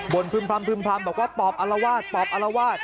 บ่นพึ่มพร่ำบอกว่าปรอบอลวาส